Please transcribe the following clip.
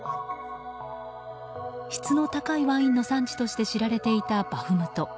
質の高いワインの産地として知られていたバフムト。